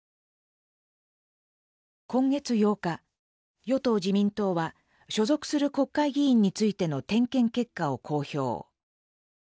今月８日与党・自民党は所属する国会議員についての点検結果を公表。